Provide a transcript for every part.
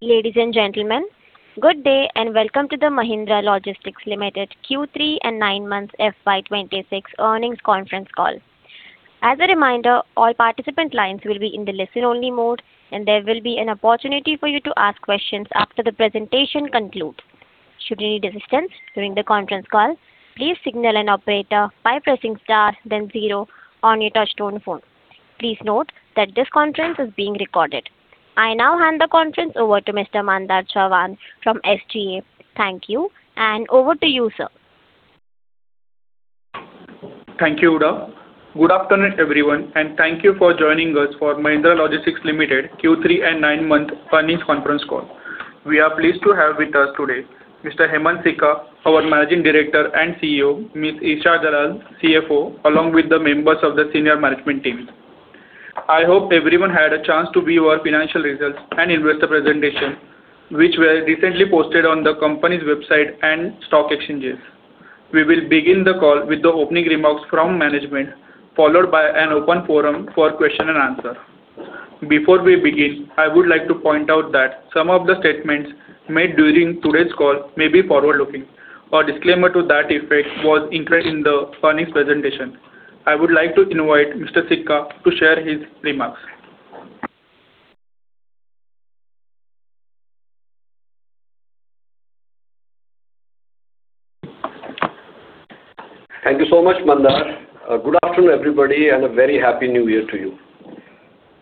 Ladies and gentlemen, good day, and welcome to the Mahindra Logistics Limited Q3 and 9 months FY 2026 earnings conference call. As a reminder, all participant lines will be in the listen-only mode, and there will be an opportunity for you to ask questions after the presentation concludes. Should you need assistance during the conference call, please signal an operator by pressing star, then zero on your touch-tone phone. Please note that this conference is being recorded. I now hand the conference over to Mr. Mandar Chavan from SGA. Thank you, and over to you, sir. Thank you, Uday. Good afternoon, everyone, and thank you for joining us for Mahindra Logistics Limited Q3 and nine-month earnings conference call. We are pleased to have with us today Mr. Hemant Sikka, our Managing Director and CEO, Ms. Isha Dalal, CFO, along with the members of the senior management team. I hope everyone had a chance to view our financial results and investor presentation, which were recently posted on the company's website and stock exchanges. We will begin the call with the opening remarks from management, followed by an open forum for question and answer. Before we begin, I would like to point out that some of the statements made during today's call may be forward-looking. Our disclaimer to that effect was included in the earnings presentation. I would like to invite Mr. Sikka to share his remarks. Thank you so much, Mandar. Good afternoon, everybody, and a very Happy New Year to you.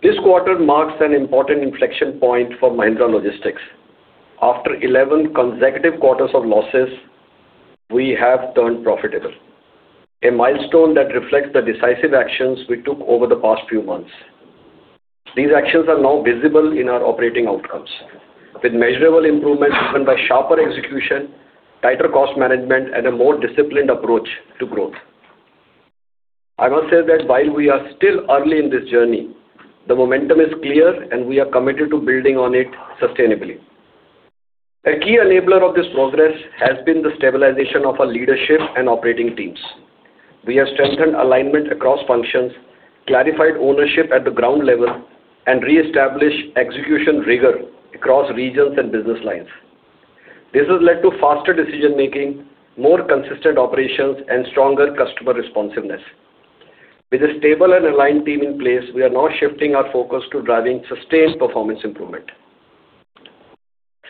This quarter marks an important inflection point for Mahindra Logistics. After 11 consecutive quarters of losses, we have turned profitable, a milestone that reflects the decisive actions we took over the past few months. These actions are now visible in our operating outcomes, with measurable improvements driven by sharper execution, tighter cost management, and a more disciplined approach to growth. I must say that while we are still early in this journey, the momentum is clear, and we are committed to building on it sustainably. A key enabler of this progress has been the stabilization of our leadership and operating teams. We have strengthened alignment across functions, clarified ownership at the ground level, and reestablished execution rigor across regions and business lines. This has led to faster decision-making, more consistent operations, and stronger customer responsiveness. With a stable and aligned team in place, we are now shifting our focus to driving sustained performance improvement.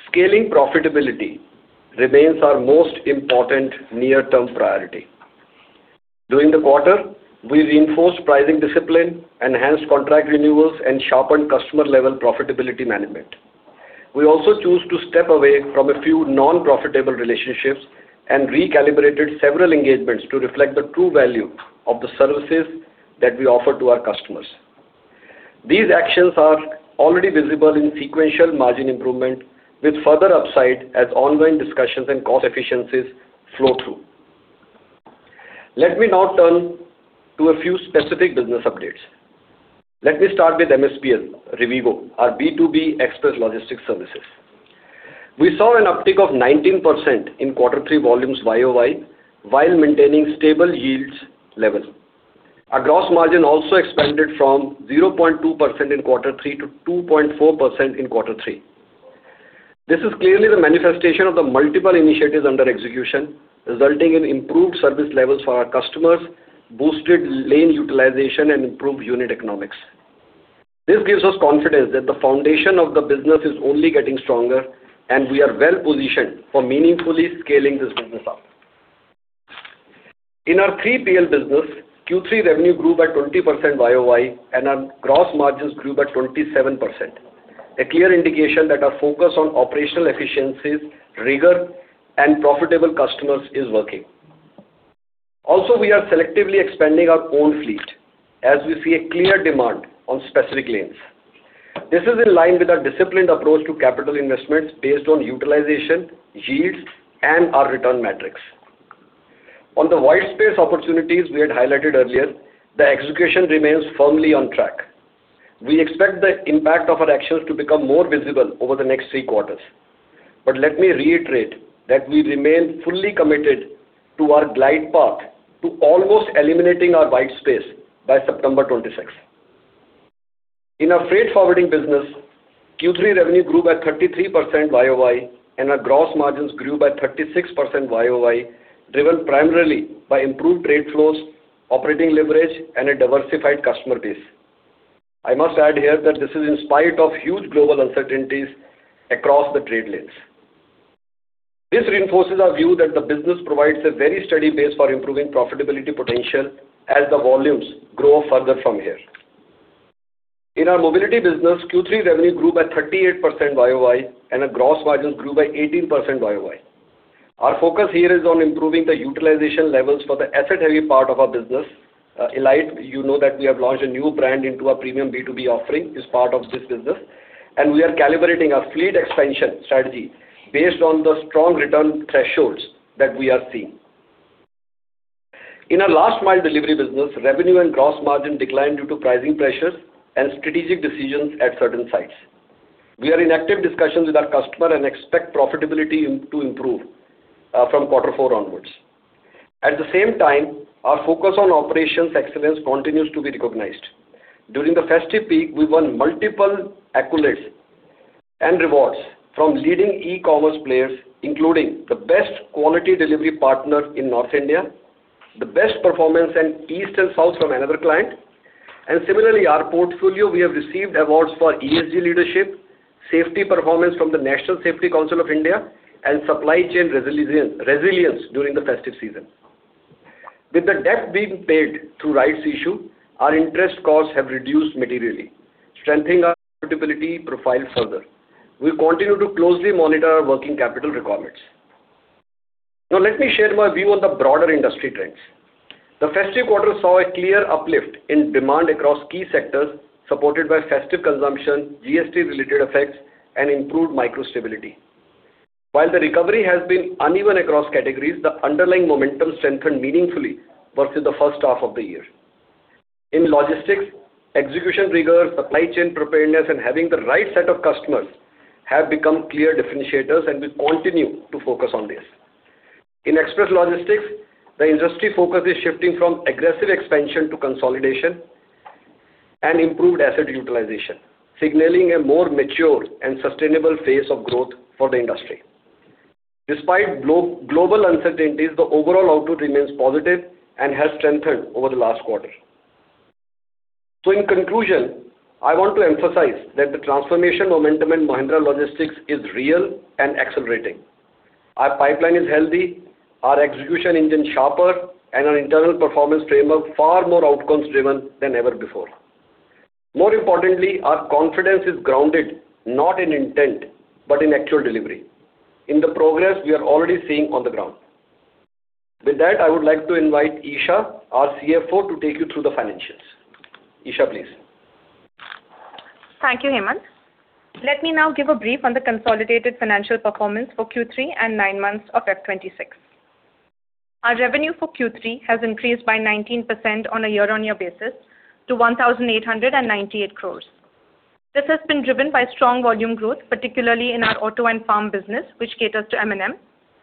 Scaling profitability remains our most important near-term priority. During the quarter, we reinforced pricing discipline, enhanced contract renewals, and sharpened customer-level profitability management. We also chose to step away from a few non-profitable relationships and recalibrated several engagements to reflect the true value of the services that we offer to our customers. These actions are already visible in sequential margin improvement, with further upside as ongoing discussions and cost efficiencies flow through. Let me now turn to a few specific business updates. Let me start with MESPL, Rivigo, our B2B express logistics services. We saw an uptick of 19% in quarter three volumes YoY, while maintaining stable yields level. Our gross margin also expanded from 0.2% in quarter three to 2.4% in quarter three. This is clearly the manifestation of the multiple initiatives under execution, resulting in improved service levels for our customers, boosted lane utilization, and improved unit economics. This gives us confidence that the foundation of the business is only getting stronger, and we are well-positioned for meaningfully scaling this business up. In our 3PL business, Q3 revenue grew by 20% YoY, and our gross margins grew by 27%, a clear indication that our focus on operational efficiencies, rigor, and profitable customers is working. Also, we are selectively expanding our own fleet as we see a clear demand on specific lanes. This is in line with our disciplined approach to capital investments based on utilization, yields, and our return metrics. On the white space opportunities we had highlighted earlier, the execution remains firmly on track. We expect the impact of our actions to become more visible over the next three quarters. But let me reiterate that we remain fully committed to our glide path to almost eliminating our white space by September 2026. In our freight forwarding business, Q3 revenue grew by 33% YoY, and our gross margins grew by 36% YoY, driven primarily by improved trade flows, operating leverage, and a diversified customer base. I must add here that this is in spite of huge global uncertainties across the trade lanes. This reinforces our view that the business provides a very steady base for improving profitability potential as the volumes grow further from here. In our mobility business, Q3 revenue grew by 38% YoY, and our gross margins grew by 18% YoY. Our focus here is on improving the utilization levels for the asset-heavy part of our business. Alyte, you know that we have launched a new brand into our premium B2B offering as part of this business, and we are calibrating our fleet expansion strategy based on the strong return thresholds that we are seeing. In our last mile delivery business, revenue and gross margin declined due to pricing pressures and strategic decisions at certain sites. We are in active discussions with our customer and expect profitability to improve from quarter four onwards. At the same time, our focus on operations excellence continues to be recognized. During the festive peak, we won multiple accolades and rewards from leading e-commerce players, including the Best Quality Delivery Partner in North India, the Best Performance in East and South India from another client, and similarly, our portfolio, we have received awards for ESG leadership, safety performance from the National Safety Council of India, and supply chain resilience during the festive season. With the debt being paid through rights issue, our interest costs have reduced materially, strengthening our profitability profile further. We continue to closely monitor our working capital requirements. Now, let me share my view on the broader industry trends. The festive quarter saw a clear uplift in demand across key sectors, supported by festive consumption, GST-related effects, and improved macro stability. While the recovery has been uneven across categories, the underlying momentum strengthened meaningfully versus the first half of the year. In logistics, execution rigor, supply chain preparedness, and having the right set of customers have become clear differentiators, and we continue to focus on this. In express logistics, the industry focus is shifting from aggressive expansion to consolidation and improved asset utilization, signaling a more mature and sustainable phase of growth for the industry. Despite global uncertainties, the overall outlook remains positive and has strengthened over the last quarter. In conclusion, I want to emphasize that the transformation momentum in Mahindra Logistics is real and accelerating. Our pipeline is healthy, our execution engine sharper, and our internal performance framework far more outcomes-driven than ever before. More importantly, our confidence is grounded not in intent, but in actual delivery, in the progress we are already seeing on the ground. With that, I would like to invite Isha, our CFO, to take you through the financials. Isha, please. Thank you, Hemant. Let me now give a brief on the consolidated financial performance for Q3 and nine months of FY 2026. Our revenue for Q3 has increased by 19% on a year-on-year basis to 1,898 crores. This has been driven by strong volume growth, particularly in our auto and farm business, which caters to M&M,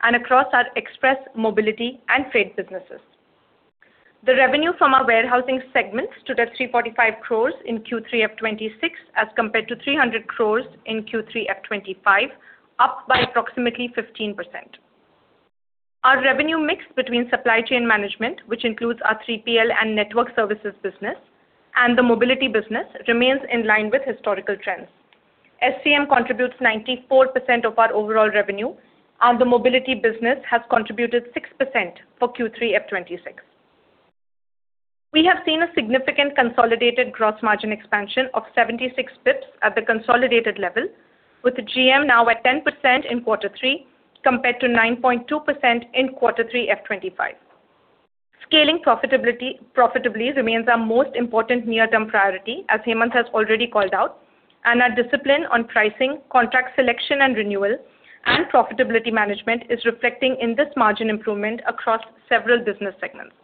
and across our express, mobility, and freight businesses. The revenue from our warehousing segment stood at 345 crores in Q3 FY 2026, as compared to 300 crores in Q3 FY 2025, up by approximately 15%. Our revenue mix between supply chain management, which includes our 3PL and network services business, and the mobility business, remains in line with historical trends. SCM contributes 94% of our overall revenue, and the mobility business has contributed 6% for Q3 FY 2026. We have seen a significant consolidated gross margin expansion of 76 basis points at the consolidated level, with the GM now at 10% in quarter three, compared to 9.2% in quarter three FY 2025. Scaling profitability, profitably remains our most important near-term priority, as Hemant has already called out, and our discipline on pricing, contract selection and renewal, and profitability management is reflecting in this margin improvement across several business segments.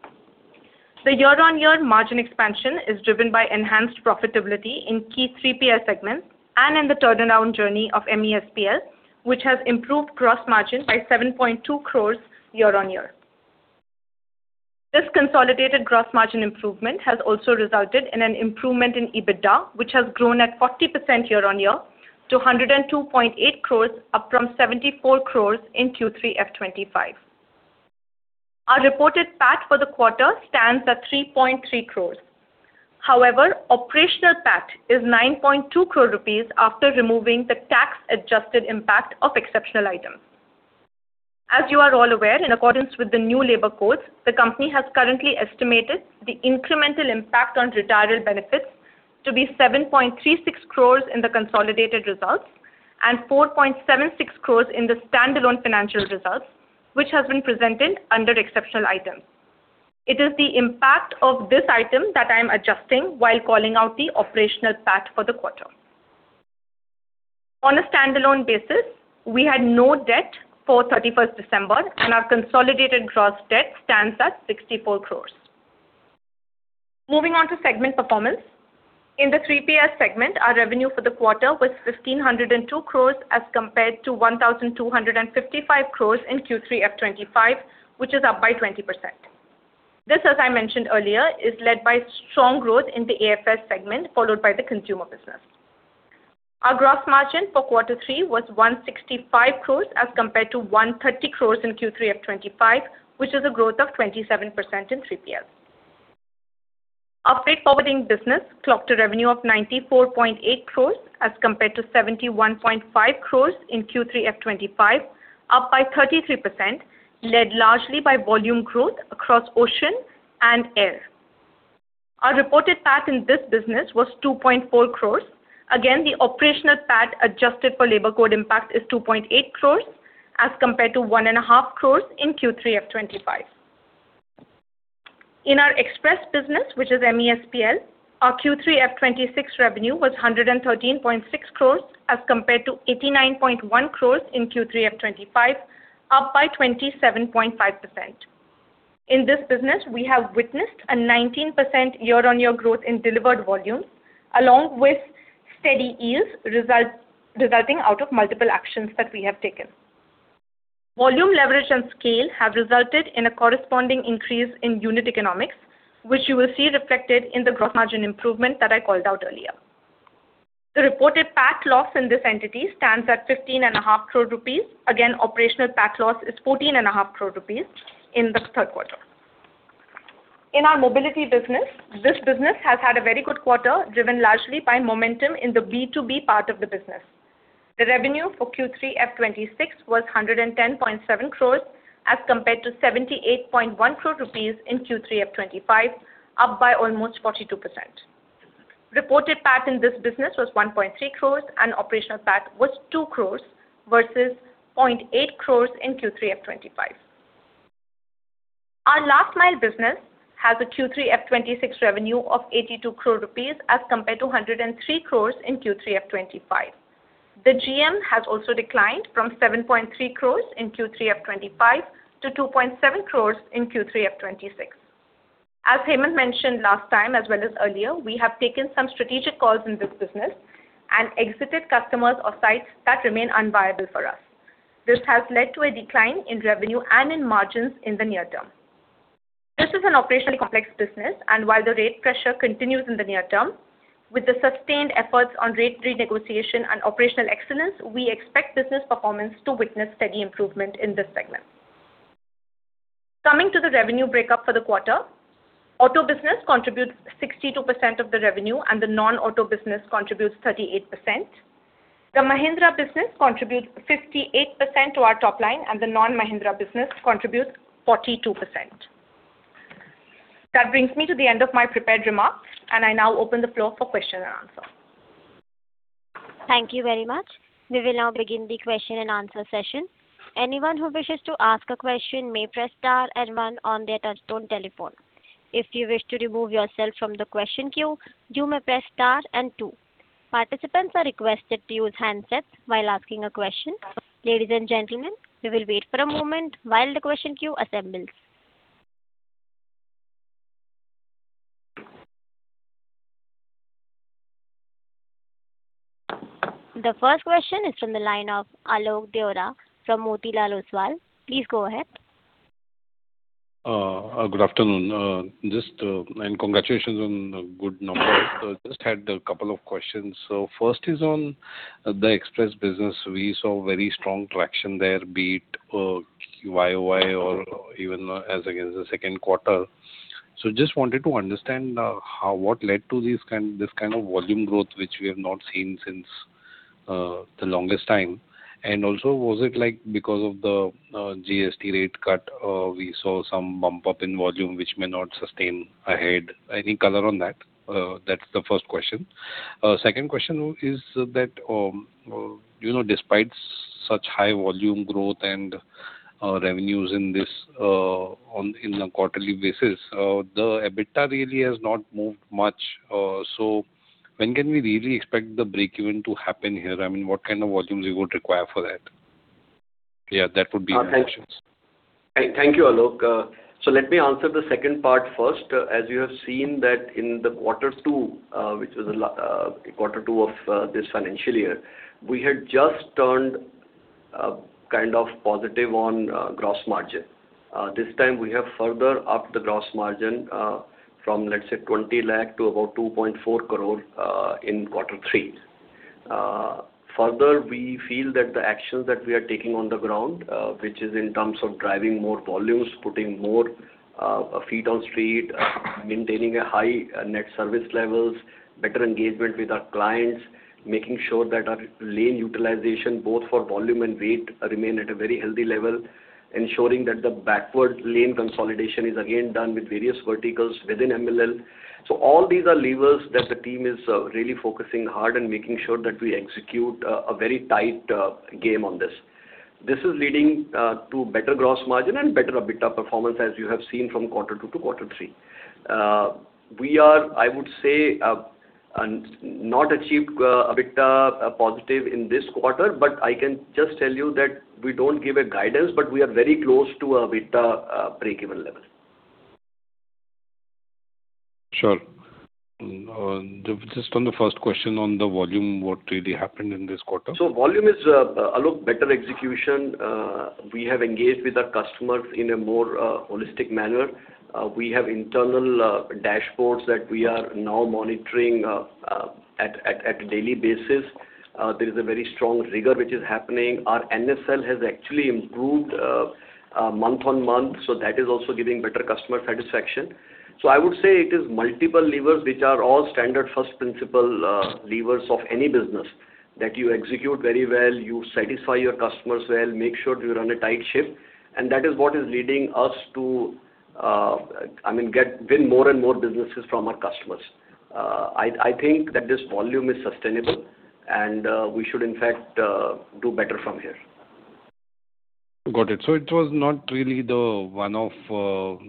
The year-on-year margin expansion is driven by enhanced profitability in key 3PL segments and in the turnaround journey of MESPL, which has improved gross margin by 7.2 crores year-on-year. This consolidated gross margin improvement has also resulted in an improvement in EBITDA, which has grown at 40% year-on-year to 102.8 crores, up from 74 crores in Q3 FY 2025. Our reported PAT for the quarter stands at 3.3 crores. However, operational PAT is 9.2 crore rupees after removing the tax-adjusted impact of exceptional items. As you are all aware, in accordance with the new Labour Codes, the company has currently estimated the incremental impact on retirement benefits to be 7.36 crores in the consolidated results, and 4.76 crores in the standalone financial results, which has been presented under exceptional items. It is the impact of this item that I am adjusting while calling out the operational PAT for the quarter. On a standalone basis, we had no debt for 31 December, and our consolidated gross debt stands at 64 crores. Moving on to segment performance. In the 3PL segment, our revenue for the quarter was 1,502 crore as compared to 1,255 crore in Q3 FY 2025, which is up by 20%. This, as I mentioned earlier, is led by strong growth in the AFS segment, followed by the consumer business. Our gross margin for quarter three was 165 crore as compared to 130 crore in Q3 FY 2025, which is a growth of 27% in 3PL. Our freight forwarding business clocked a revenue of 94.8 crore as compared to 71.5 crore in Q3 FY 2025, up by 33%, led largely by volume growth across ocean and air. Our reported PAT in this business was 2.4 crore. Again, the operational PAT adjusted for labor code impact is 2.8 crores, as compared to 1.5 crores in Q3 FY 2025. In our express business, which is MESPL, our Q3 FY 2026 revenue was 113.6 crores, as compared to 89.1 crores in Q3 FY 2025, up by 27.5%. In this business, we have witnessed a 19% year-on-year growth in delivered volumes, along with steady yields result, resulting out of multiple actions that we have taken. Volume leverage and scale have resulted in a corresponding increase in unit economics, which you will see reflected in the gross margin improvement that I called out earlier. The reported PAT loss in this entity stands at 15.5 crore rupees. Again, operational PAT loss is 14.5 crore rupees in the third quarter. In our mobility business, this business has had a very good quarter, driven largely by momentum in the B2B part of the business. The revenue for Q3F 2026 was 110.7 crore, as compared to 78.1 crore rupees in Q3F 2025, up by almost 42%. Reported PAT in this business was 1.3 crore, and operational PAT was 2 crore versus 0.8 crore in Q3F 2025. Our last mile business has a Q3F 2026 revenue of 82 crore rupees, as compared to 103 crore in Q3F 2025. The GM has also declined from 7.3 crore in Q3F 2025 to 2.7 crore in Q3F 2026. As Hemant mentioned last time, as well as earlier, we have taken some strategic calls in this business and exited customers or sites that remain unviable for us. This has led to a decline in revenue and in margins in the near term. This is an operationally complex business, and while the rate pressure continues in the near term, with the sustained efforts on rate renegotiation and operational excellence, we expect business performance to witness steady improvement in this segment. Coming to the revenue breakup for the quarter, auto business contributes 62% of the revenue and the non-auto business contributes 38%. The Mahindra business contributes 58% to our top line, and the non-Mahindra business contributes 42%. That brings me to the end of my prepared remarks, and I now open the floor for question and answer. Thank you very much. We will now begin the question and answer session. Anyone who wishes to ask a question may press star and one on their touch-tone telephone. If you wish to remove yourself from the question queue, you may press star and two. Participants are requested to use handsets while asking a question. Ladies and gentlemen, we will wait for a moment while the question queue assembles. The first question is from the line of Alok Deora from Motilal Oswal. Please go ahead. Good afternoon, and congratulations on the good numbers. Just had a couple of questions. So first is on the express business. We saw very strong traction there, be it YoY or even as against the second quarter. So just wanted to understand how—what led to these kind, this kind of volume growth, which we have not seen since the longest time? And also, was it, like, because of the GST rate cut, we saw some bump up in volume, which may not sustain ahead. Any color on that? That's the first question. Second question is that, you know, despite such high volume growth and revenues in this, on, in the quarterly basis, the EBITDA really has not moved much. So when can we really expect the break-even to happen here? I mean, what kind of volumes you would require for that? Yeah, that would be my questions. Thank you, Alok. So let me answer the second part first. As you have seen that in quarter two, which was quarter two of this financial year, we had just turned kind of positive on gross margin. This time we have further upped the gross margin from, let's say, 0.2 crore to about 2.4 crore in quarter three. Further, we feel that the actions that we are taking on the ground, which is in terms of driving more volumes, putting more feet on street, maintaining a high net service levels, better engagement with our clients, making sure that our lane utilization, both for volume and weight, remain at a very healthy level, ensuring that the backward lane consolidation is again done with various verticals within MLL. So all these are levers that the team is really focusing hard and making sure that we execute a very tight game on this. This is leading to better gross margin and better EBITDA performance, as you have seen from quarter two to quarter three. We are, I would say, and not achieved EBITDA positive in this quarter, but I can just tell you that we don't give a guidance, but we are very close to a EBITDA break-even level. Sure. Just on the first question on the volume, what really happened in this quarter? So volume is, Alok, better execution. We have engaged with our customers in a more holistic manner. We have internal dashboards that we are now monitoring at a daily basis. There is a very strong rigor which is happening. Our NSL has actually improved month-on-month, so that is also giving better customer satisfaction. So I would say it is multiple levers, which are all standard first principle levers of any business, that you execute very well, you satisfy your customers well, make sure you run a tight ship, and that is what is leading us to, I mean, win more and more businesses from our customers. I think that this volume is sustainable, and we should in fact do better from here. Got it. So it was not really the one-off,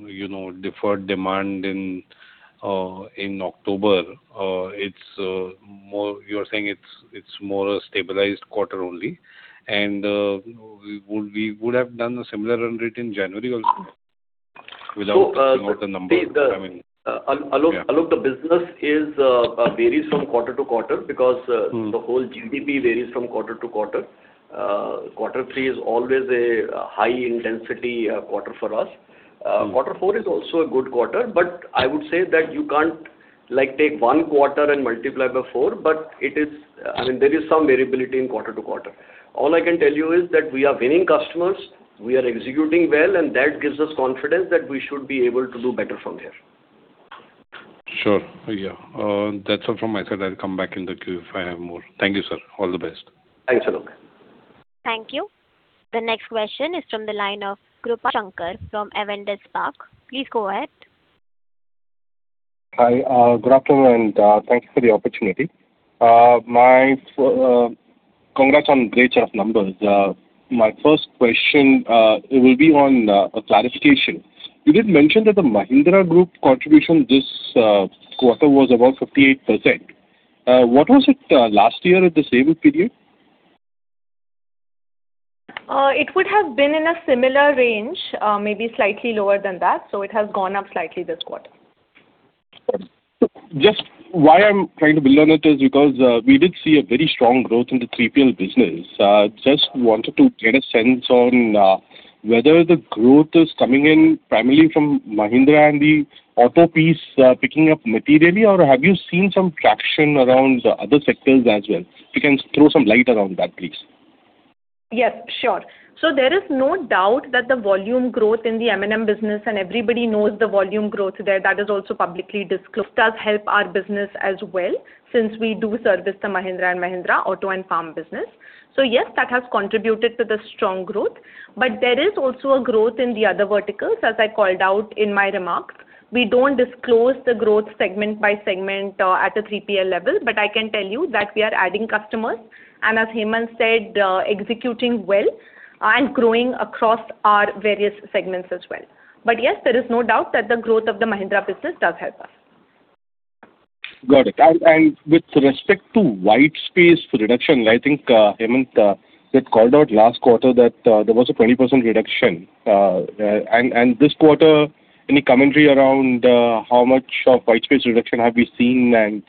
you know, deferred demand in in October. It's more... You're saying it's, it's more a stabilized quarter only, and we would, we would have done a similar run rate in January also? So, Alok, the business varies from quarter to quarter, because. Mm. The whole GDP varies from quarter to quarter. Quarter three is always a high intensity quarter for us. Quarter four is also a good quarter, but I would say that you can't, like, take one quarter and multiply by four, but it is... I mean, there is some variability in quarter to quarter. All I can tell you is that we are winning customers, we are executing well, and that gives us confidence that we should be able to do better from here. Sure. Yeah. That's all from my side. I'll come back in the queue if I have more. Thank you, sir. All the best. Thanks, Alok. Thank you. The next question is from the line of Krupa Shankar from Avendus Spark. Please go ahead. Hi, good afternoon, and thank you for the opportunity. Congrats on great set of numbers. My first question will be on a clarification. You did mention that the Mahindra Group contribution this quarter was about 58%. What was it last year at the same period? It would have been in a similar range, maybe slightly lower than that, so it has gone up slightly this quarter. Just why I'm trying to build on it is because we did see a very strong growth in the 3PL business. Just wanted to get a sense on whether the growth is coming in primarily from Mahindra and the auto piece, picking up materially, or have you seen some traction around other sectors as well? If you can throw some light around that, please. Yes, sure. So there is no doubt that the volume growth in the M&M business, and everybody knows the volume growth there, that is also publicly disclosed, does help our business as well, since we do service the Mahindra & Mahindra auto and farm business. So yes, that has contributed to the strong growth, but there is also a growth in the other verticals, as I called out in my remarks. We don't disclose the growth segment by segment, at a 3PL level, but I can tell you that we are adding customers, and as Hemant said, executing well and growing across our various segments as well. But yes, there is no doubt that the growth of the Mahindra business does help us. Got it. And, and with respect to whitespace reduction, I think, Hemant, you had called out last quarter that there was a 20% reduction. And, and this quarter, any commentary around how much of whitespace reduction have you seen? And,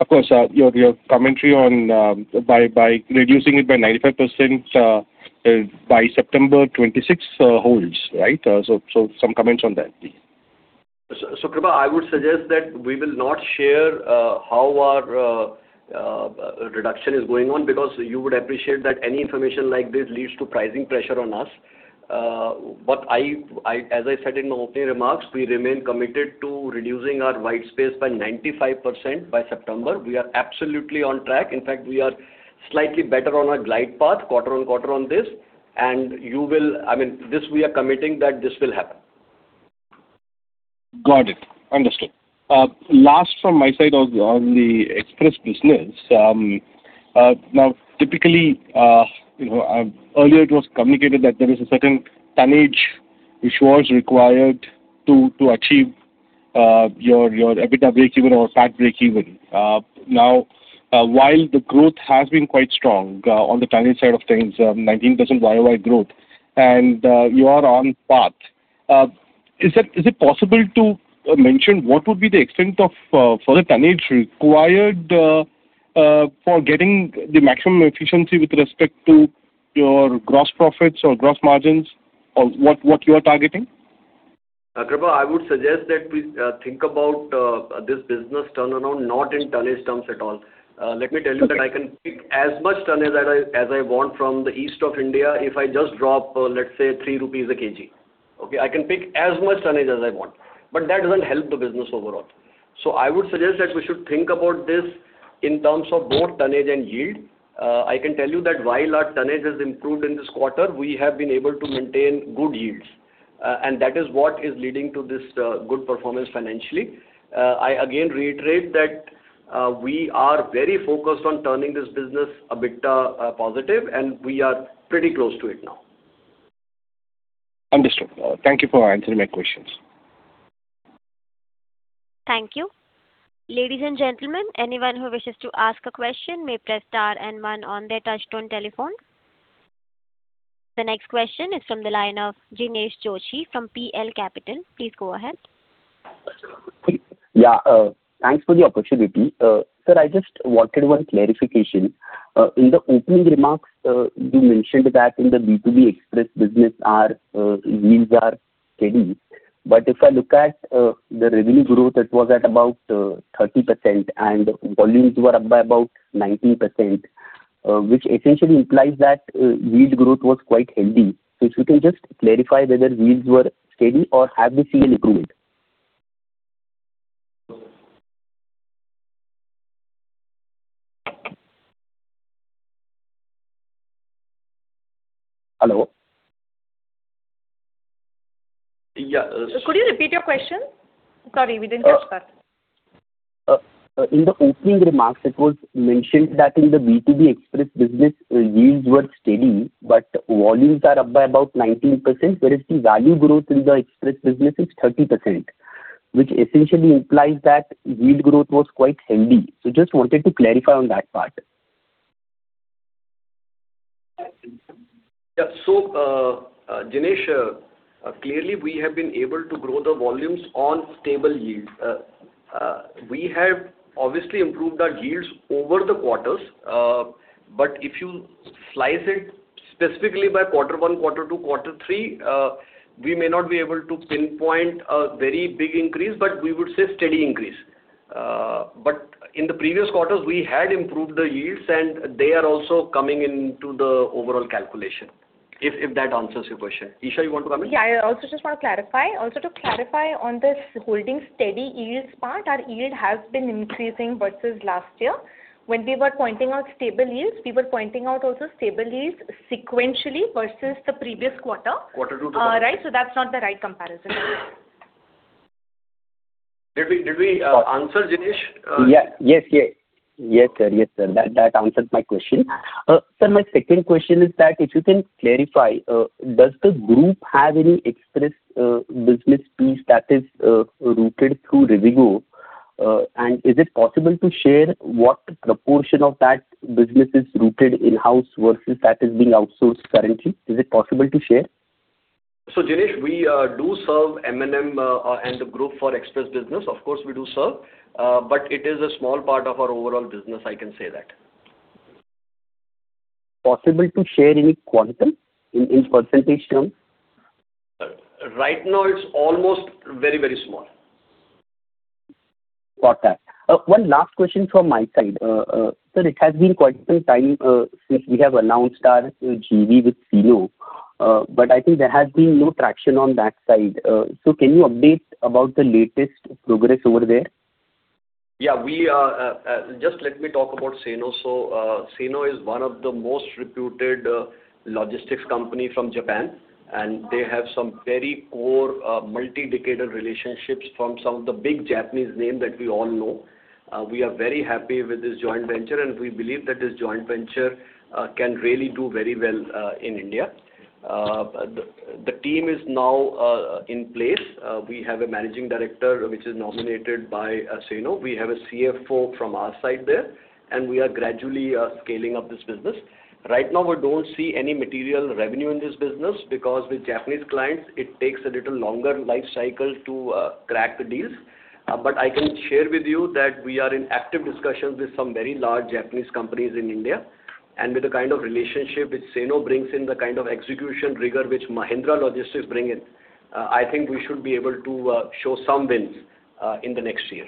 of course, your commentary on by reducing it by 95% by September 2026 holds, right? So, so some comments on that, please. So Krupa, I would suggest that we will not share how our reduction is going on, because you would appreciate that any information like this leads to pricing pressure on us. But I, as I said in my opening remarks, we remain committed to reducing our whitespace by 95% by September. We are absolutely on track. In fact, we are slightly better on our glide path quarter-on-quarter on this, and you will. I mean, this, we are committing that this will happen. Got it. Understood. Last from my side on the, on the express business. Now, typically, you know, earlier it was communicated that there is a certain tonnage which was required to, to achieve, your, your EBITDA breakeven or PAT breakeven. Now, while the growth has been quite strong, on the tonnage side of things, 19% YoY growth, and, you are on path. Is it, is it possible to, mention what would be the extent of, further tonnage required, for getting the maximum efficiency with respect to your gross profits or gross margins, or what, what you are targeting? Krupa, I would suggest that we think about this business turnaround, not in tonnage terms at all. Let me tell you- Okay. That I can pick as much tonnage as I want from the East India, if I just drop, let's say, 3 rupees/kg. Okay? I can pick as much tonnage as I want, but that doesn't help the business overall. So I would suggest that we should think about this in terms of both tonnage and yield. I can tell you that while our tonnage has improved in this quarter, we have been able to maintain good yields, and that is what is leading to this, good performance financially. I again reiterate that, we are very focused on turning this business EBITDA positive, and we are pretty close to it now. Understood. Thank you for answering my questions. Thank you. Ladies and gentlemen, anyone who wishes to ask a question may press star and one on their touch-tone telephone. The next question is from the line of Jinesh Joshi from PL Capital. Please go ahead. Yeah, thanks for the opportunity. Sir, I just wanted one clarification. In the opening remarks, you mentioned that in the B2B express business, our yields are steady. But if I look at the revenue growth, it was at about 30%, and volumes were up by about 19%, which essentially implies that yield growth was quite healthy. So if you can just clarify whether yields were steady or have we seen an improvement? Hello? Yeah, uh- Could you repeat your question? Sorry, we didn't hear start. In the opening remarks, it was mentioned that in the B2B express business, yields were steady, but volumes are up by about 19%, whereas the value growth in the express business is 30%, which essentially implies that yield growth was quite healthy. So just wanted to clarify on that part. Yeah, so, Jinesh, clearly, we have been able to grow the volumes on stable yield. We have obviously improved our yields over the quarters. But if you slice it specifically by quarter one, quarter two, quarter three, we may not be able to pinpoint a very big increase, but we would say steady increase. But in the previous quarters, we had improved the yields, and they are also coming into the overall calculation, if that answers your question. Isha, you want to come in? Yeah, I also just want to clarify. Also to clarify on this holding steady yields part, our yield has been increasing versus last year. When we were pointing out stable yields, we were pointing out also stable yields sequentially versus the previous quarter. Quarter-to-quarter. Right? So that's not the right comparison. Did we answer, Jinesh? Yeah. Yes, yes. Yes, sir. Yes, sir. That, that answered my question. Sir, my second question is that if you can clarify, does the group have any express business piece that is rooted through Rivigo? And is it possible to share what proportion of that business is rooted in-house versus that is being outsourced currently? Is it possible to share? So, Jinesh, we do serve M&M and the group for express business. Of course, we do serve, but it is a small part of our overall business, I can say that. Possible to share any quantum in percentage terms? Right now, it's almost very, very small. Got that. One last question from my side. Sir, it has been quite some time since we have announced our JV with Seino, but I think there has been no traction on that side. So can you update about the latest progress over there? Yeah, we are just let me talk about Seino. So, Seino is one of the most reputed logistics company from Japan, and they have some very core multi-decaded relationships from some of the big Japanese name that we all know. We are very happy with this joint venture, and we believe that this joint venture can really do very well in India. The team is now in place. We have a managing director, which is nominated by Seino. We have a CFO from our side there, and we are gradually scaling up this business. Right now, we don't see any material revenue in this business because with Japanese clients, it takes a little longer life cycle to crack the deals. But, I can share with you that we are in active discussions with some very large Japanese companies in India, and with the kind of relationship which Seino brings in, the kind of execution rigor which Mahindra Logistics bring in, I think we should be able to show some wins in the next year.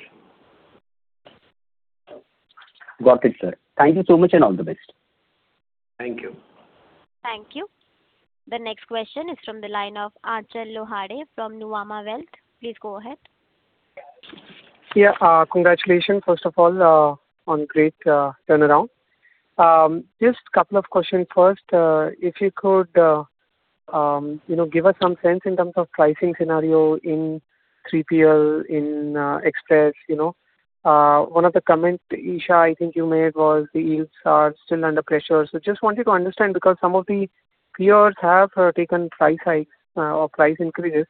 Got it, sir. Thank you so much, and all the best. Thank you. Thank you. The next question is from the line of Achal Lohade from Nuvama Wealth. Please go ahead. Yeah, congratulations, first of all, on great turnaround. Just couple of questions. First, if you could, you know, give us some sense in terms of pricing scenario in 3PL, in express, you know. One of the comments, Isha, I think you made was the yields are still under pressure. So just wanted to understand, because some of the peers have taken price hikes or price increases.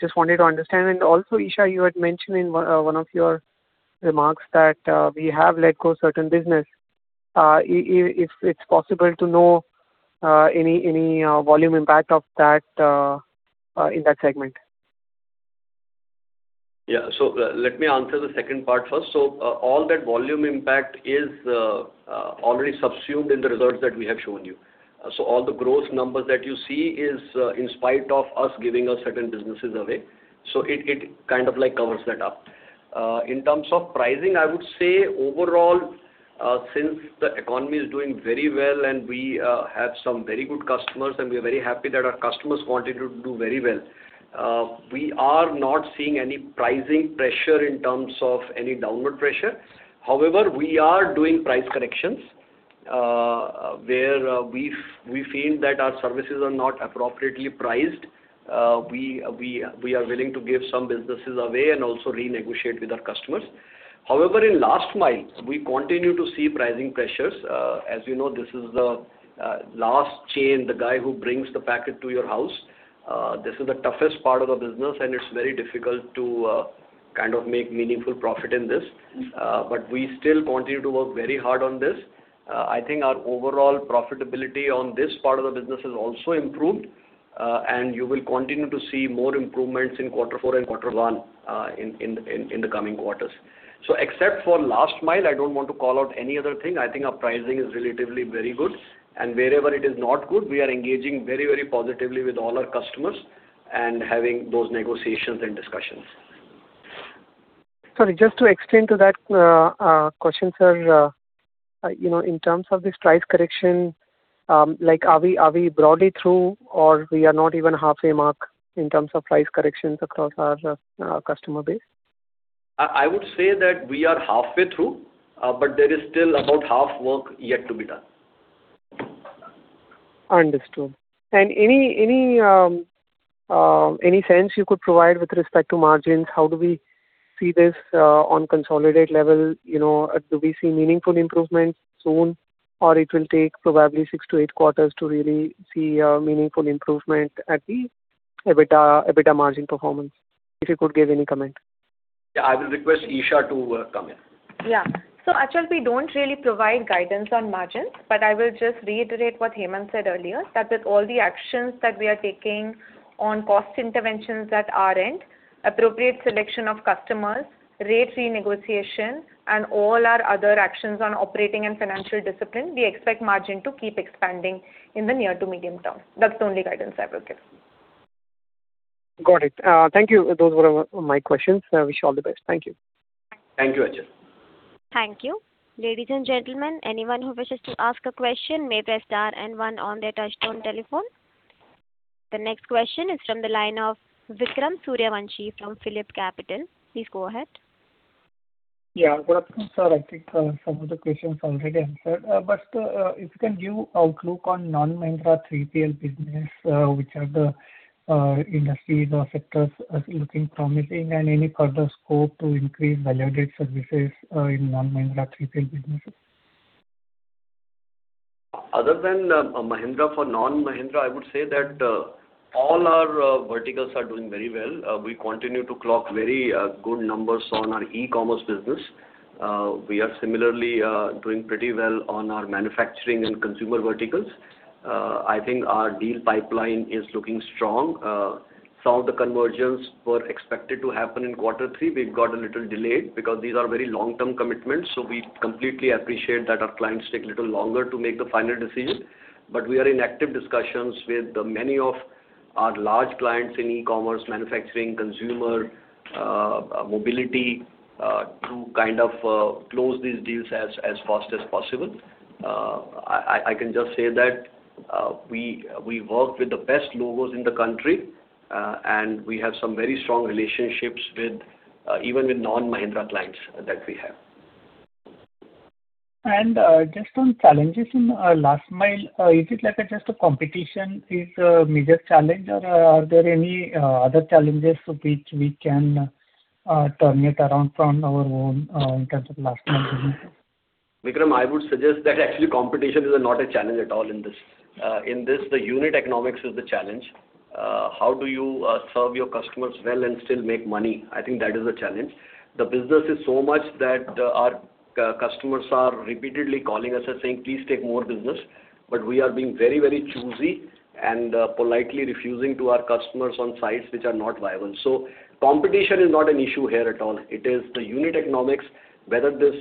Just wanted to understand. And also, Isha, you had mentioned in one of your remarks that we have let go certain business. If it's possible to know any volume impact of that in that segment. Yeah. So, let me answer the second part first. So, all that volume impact is already subsumed in the results that we have shown you. So all the growth numbers that you see is in spite of us giving a certain businesses away, so it, it kind of like covers that up. In terms of pricing, I would say overall, since the economy is doing very well and we have some very good customers, and we are very happy that our customers continue to do very well, we are not seeing any pricing pressure in terms of any downward pressure. However, we are doing price corrections, where we feel that our services are not appropriately priced. We are willing to give some businesses away and also renegotiate with our customers. However, in last mile, we continue to see pricing pressures. As you know, this is the last chain, the guy who brings the packet to your house. This is the toughest part of the business, and it's very difficult to kind of make meaningful profit in this. But we still continue to work very hard on this. I think our overall profitability on this part of the business has also improved, and you will continue to see more improvements in quarter four and quarter one, in the coming quarters. So except for last mile, I don't want to call out any other thing. I think our pricing is relatively very good, and wherever it is not good, we are engaging very, very positively with all our customers and having those negotiations and discussions. Sorry, just to extend to that question, sir, you know, in terms of this price correction, like, are we, are we broadly through, or we are not even halfway mark in terms of price corrections across our, customer base? I would say that we are halfway through, but there is still about half work yet to be done. Understood. And any sense you could provide with respect to margins? How do we see this on consolidated level? You know, do we see meaningful improvement soon, or it will take probably 6-8 quarters to really see a meaningful improvement at the EBITDA, EBITDA margin performance? If you could give any comment. Yeah, I will request Isha to come in. Yeah. So Achal, we don't really provide guidance on margins, but I will just reiterate what Hemant said earlier, that with all the actions that we are taking on cost interventions at our end, appropriate selection of customers, rate renegotiation, and all our other actions on operating and financial discipline, we expect margin to keep expanding in the near to medium term. That's the only guidance I will give. Got it. Thank you. Those were my questions. I wish you all the best. Thank you. Thank you, Achal. Thank you. Ladies and gentlemen, anyone who wishes to ask a question, may press star and one on their touch-tone telephone. The next question is from the line of Vikram Suryavanshi from PhillipCapital. Please go ahead. Yeah, good afternoon, sir. I think, some of the questions already answered. But, if you can give outlook on non-Mahindra 3PL business, which are the industries or sectors are looking promising, and any further scope to increase value-added services, in non-Mahindra 3PL businesses? Other than Mahindra, for non-Mahindra, I would say that all our verticals are doing very well. We continue to clock very good numbers on our e-commerce business. We are similarly doing pretty well on our manufacturing and consumer verticals. I think our deal pipeline is looking strong. Some of the conversions were expected to happen in quarter three. We've got a little delayed, because these are very long-term commitments, so we completely appreciate that our clients take a little longer to make the final decision. But we are in active discussions with many of our large clients in e-commerce, manufacturing, consumer, mobility, to kind of close these deals as fast as possible. I can just say that we work with the best logos in the country, and we have some very strong relationships with even with non-Mahindra clients that we have. Just on challenges in last mile, is it like just a competition is a major challenge, or are there any other challenges which we can turn it around from our own in terms of last mile? Vikram, I would suggest that actually competition is not a challenge at all in this. In this, the unit economics is the challenge. How do you serve your customers well and still make money? I think that is a challenge. The business is so much that our customers are repeatedly calling us and saying, "Please take more business." But we are being very, very choosy and politely refusing to our customers on sites which are not viable. So competition is not an issue here at all. It is the unit economics, whether this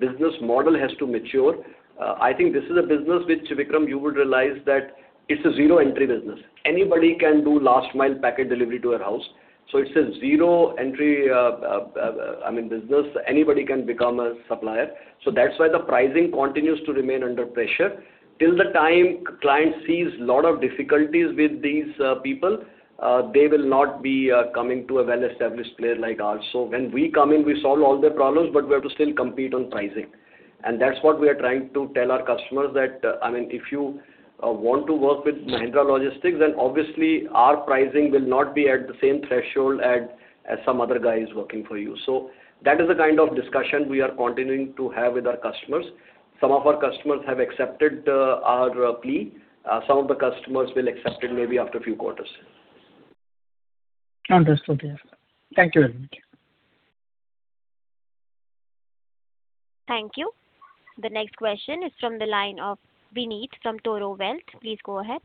business model has to mature. I think this is a business which, Vikram, you would realize that it's a zero entry business. Anybody can do last mile packet delivery to a house, so it's a zero entry, I mean, business. Anybody can become a supplier. So that's why the pricing continues to remain under pressure. Till the time client sees lot of difficulties with these people, they will not be coming to a well-established player like us. So when we come in, we solve all their problems, but we have to still compete on pricing. And that's what we are trying to tell our customers that, I mean, if you want to work with Mahindra Logistics, then obviously our pricing will not be at the same threshold as some other guy is working for you. So that is the kind of discussion we are continuing to have with our customers. Some of our customers have accepted our plea. Some of the customers will accept it maybe after a few quarters. Understood, yeah. Thank you very much. Thank you. The next question is from the line of Vineet from Toro Wealth. Please go ahead.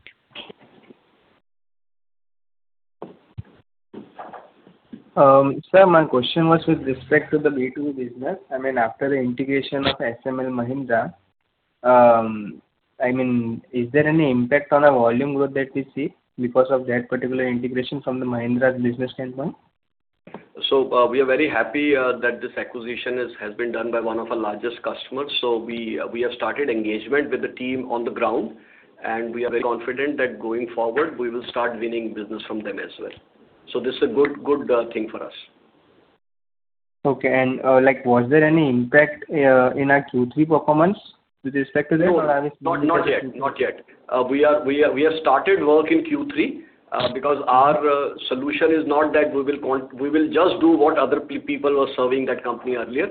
sir, my question was with respect to the B2B business. I mean, after the integration of SML Mahindra, I mean, is there any impact on our volume growth that we see because of that particular integration from the Mahindra's business standpoint? So, we are very happy that this acquisition is, has been done by one of our largest customers. So we, we have started engagement with the team on the ground, and we are very confident that going forward, we will start winning business from them as well. So this is a good, good, thing for us. Okay. Like, was there any impact in our Q3 performance with respect to this? No, not, not yet. Not yet. We have started work in Q3, because our solution is not that we will just do what other people are serving that company earlier.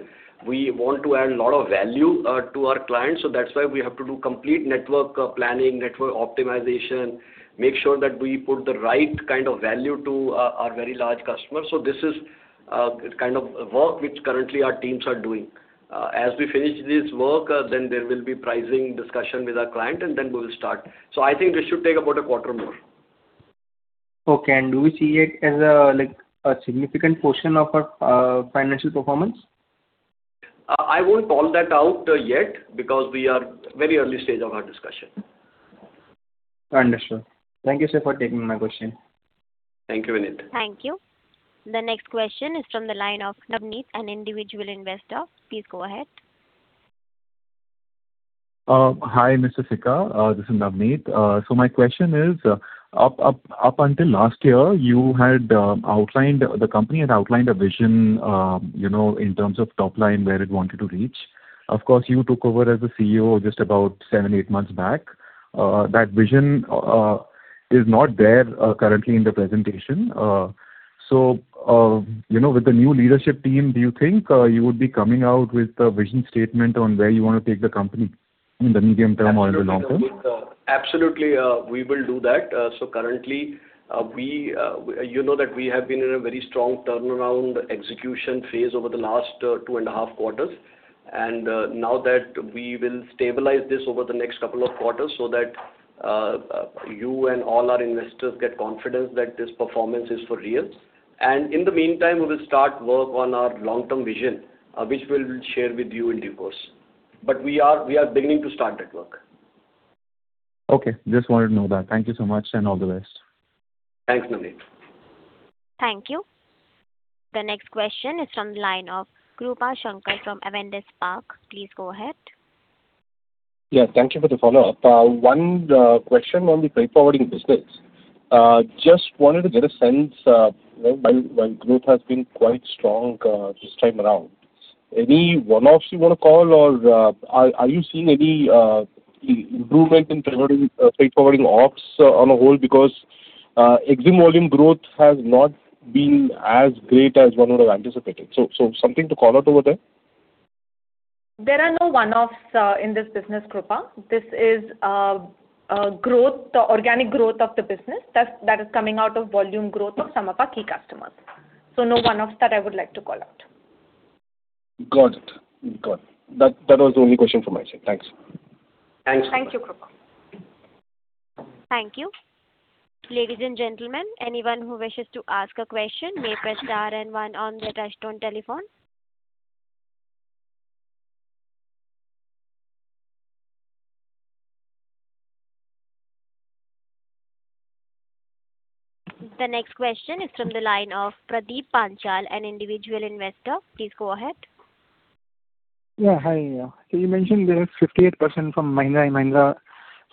We want to add a lot of value to our clients, so that's why we have to do complete network planning, network optimization, make sure that we put the right kind of value to our, our very large customers. So this is kind of work which currently our teams are doing. As we finish this work, then there will be pricing discussion with our client, and then we will start. So I think this should take about a quarter more. Okay. Do we see it as a, like, a significant portion of our financial performance? I won't call that out, yet, because we are very early stage of our discussion. Understood. Thank you, sir, for taking my question. Thank you, Vineet. Thank you. The next question is from the line of Navneet, an individual investor. Please go ahead. Hi, Mr. Sikka, this is Navneet. So my question is, up until last year, you had outlined. The company had outlined a vision, you know, in terms of top line, where it wanted to reach. Of course, you took over as a CEO just about seven, eight months back. That vision is not there currently in the presentation. So, you know, with the new leadership team, do you think you would be coming out with a vision statement on where you want to take the company in the medium term or in the long term? Absolutely, we will do that. So currently, we, you know that we have been in a very strong turnaround execution phase over the last two and a half quarters. And now that we will stabilize this over the next couple of quarters so that you and all our investors get confidence that this performance is for real. And in the meantime, we will start work on our long-term vision, which we'll share with you in due course. But we are, we are beginning to start that work. Okay. Just wanted to know that. Thank you so much, and all the best. Thanks, Navneet. Thank you. The next question is from the line of Krupa Shankar from Avendus Spark. Please go ahead. Yeah, thank you for the follow-up. One question on the freight forwarding business. Just wanted to get a sense, while growth has been quite strong this time around, any one-offs you want to call, or are you seeing any improvement in forwarding, freight forwarding ops on a whole? Because exim volume growth has not been as great as one would have anticipated. So something to call out over there? There are no one-offs in this business, Krupa. This is growth, organic growth of the business that is coming out of volume growth of some of our key customers. So no one-offs that I would like to call out. Got it. Got it. That, that was the only question from my side. Thanks. Thanks. Thank you, Krupa. Thank you. Ladies and gentlemen, anyone who wishes to ask a question, may press star and one on their touch-tone telephone. The next question is from the line of Pradeep Panchal, an individual investor. Please go ahead. Yeah, hi. So you mentioned there is 58% from Mahindra & Mahindra.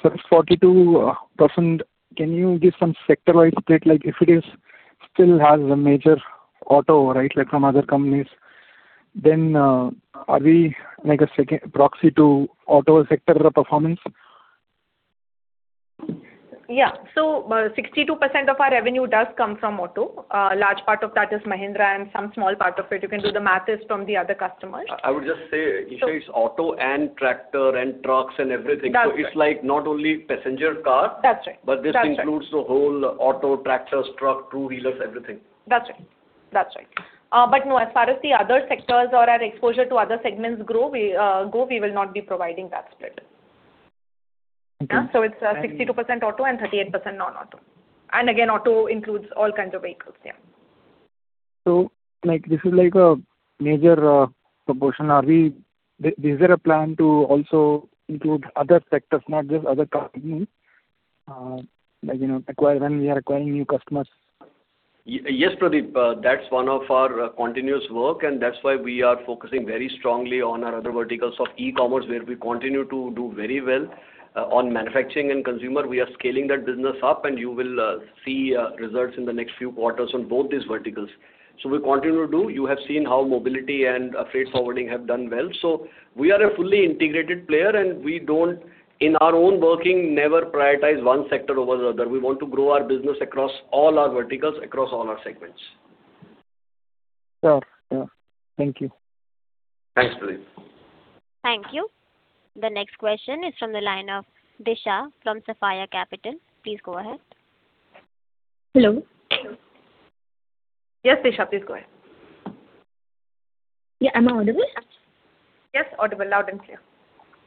So it's 42%, can you give some sector-wide split? Like, if it is still has a major auto, right, like some other companies, then, are we like a second proxy to auto sector performance? Yeah. So, 62% of our revenue does come from auto. Large part of that is Mahindra and some small part of it, you can do the math, is from the other customers. I would just say, Isha, it's auto and tractor and trucks and everything. That's right. So it's like not only passenger car- That's right. But this includes the whole auto, tractors, truck, two-wheelers, everything. That's right. That's right. But no, as far as the other sectors or our exposure to other segments grow, we, we will not be providing that split. Okay. So it's 62% auto and 38% non-auto. And again, auto includes all kinds of vehicles, yeah. So, like, this is like a major proportion. Is there a plan to also include other sectors, not just other companies, like, you know, acquire, when we are acquiring new customers? Yes, Pradeep, that's one of our continuous work, and that's why we are focusing very strongly on our other verticals of e-commerce, where we continue to do very well. On manufacturing and consumer, we are scaling that business up, and you will see results in the next few quarters on both these verticals. So we continue to do. You have seen how mobility and freight forwarding have done well. So we are a fully integrated player, and we don't, in our own working, never prioritize one sector over the other. We want to grow our business across all our verticals, across all our segments. Sure. Yeah. Thank you. Thanks, Pradeep. Thank you. The next question is from the line of Disha from Safal Capital. Please go ahead. Hello. Yes, Disha, please go ahead. Yeah, am I audible? Yes, audible, loud and clear.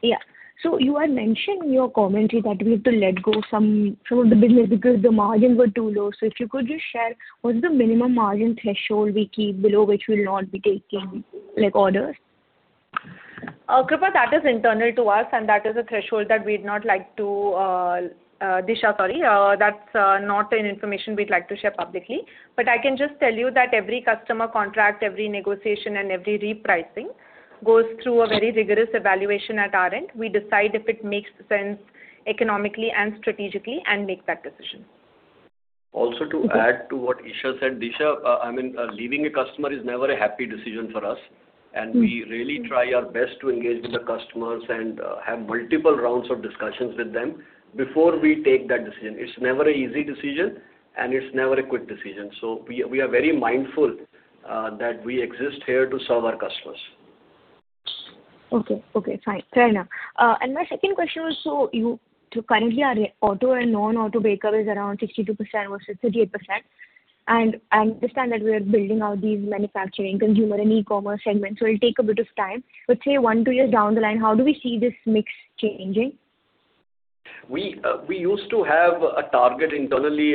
Yeah. So you had mentioned in your commentary that we have to let go some of the business because the margins were too low. So if you could just share, what is the minimum margin threshold we keep below, which we will not be taking, like, orders? Krupa, that is internal to us, and that is a threshold that we'd not like to, Disha, sorry, that's not an information we'd like to share publicly. But I can just tell you that every customer contract, every negotiation, and every repricing goes through a very rigorous evaluation at our end. We decide if it makes sense economically and strategically and make that decision. Also, to add to what Isha said, Disha, I mean, leaving a customer is never a happy decision for us, and we really try our best to engage with the customers and have multiple rounds of discussions with them before we take that decision. It's never an easy decision, and it's never a quick decision. So we are very mindful that we exist here to serve our customers. Okay. Okay, fine. Fair enough. And my second question was, so you currently our auto and non-auto breakup is around 62% or 38%, and I understand that we are building out these manufacturing, consumer, and e-commerce segments, so it'll take a bit of time. But say, 1, 2 years down the line, how do we see this mix changing? We, we used to have a target internally,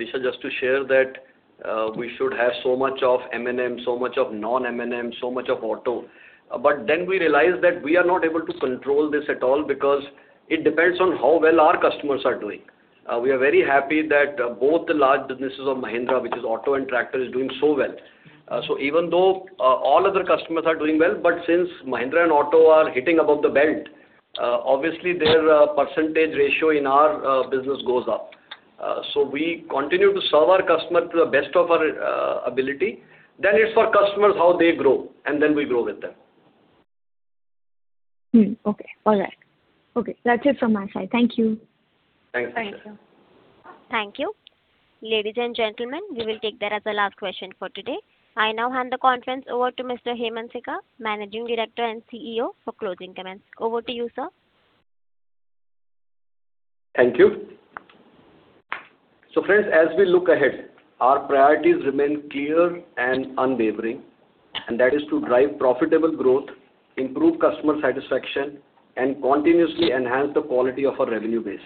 Disha, just to share that, we should have so much of M&M, so much of non-M&M, so much of auto. But then we realized that we are not able to control this at all because it depends on how well our customers are doing. We are very happy that both the large businesses of Mahindra, which is auto and tractor, is doing so well. So even though all other customers are doing well, but since Mahindra and auto are hitting above the belt, obviously their percentage ratio in our business goes up. So we continue to serve our customer to the best of our ability. Then it's for customers, how they grow, and then we grow with them. Hmm, okay. All right. Okay, that's it from my side. Thank you. Thanks, Disha. Thank you. Ladies and gentlemen, we will take that as the last question for today. I now hand the conference over to Mr. Hemant Sikka, Managing Director and CEO, for closing comments. Over to you, sir. Thank you. So friends, as we look ahead, our priorities remain clear and unwavering, and that is to drive profitable growth, improve customer satisfaction, and continuously enhance the quality of our revenue base.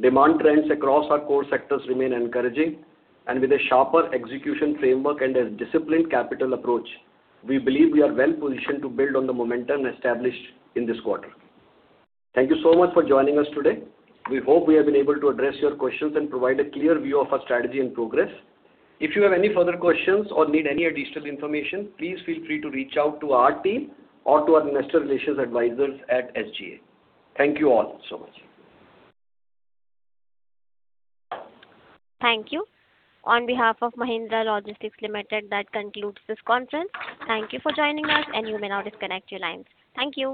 Demand trends across our core sectors remain encouraging, and with a sharper execution framework and a disciplined capital approach, we believe we are well positioned to build on the momentum established in this quarter. Thank you so much for joining us today. We hope we have been able to address your questions and provide a clear view of our strategy and progress. If you have any further questions or need any additional information, please feel free to reach out to our team or to our investor relations advisors at SGA. Thank you all so much. Thank you. On behalf of Mahindra Logistics Limited, that concludes this conference. Thank you for joining us, and you may now disconnect your lines. Thank you.